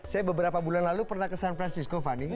saya beberapa bulan lalu pernah ke san francisco fani